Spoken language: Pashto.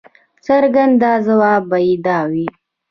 څرګند ځواب به یې دا وي.